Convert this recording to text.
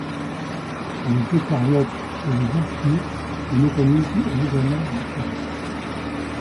Chez les eucaryotes et les archées, le mécanisme est légèrement différent.